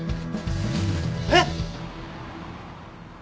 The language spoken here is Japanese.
えっ！？